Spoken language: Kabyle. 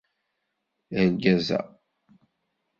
Argaz-a